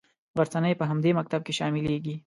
غرڅنۍ په همدې مکتب کې شاملیږي.